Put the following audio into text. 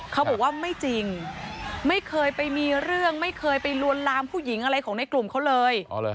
เขาบอกว่าไม่จริงไม่เคยไปมีเรื่องไม่เคยไปลวนลามผู้หญิงอะไรของในกลุ่มเขาเลย